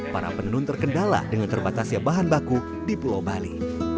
para penenun terkendala dengan terbatasnya bahan baku di pulau bali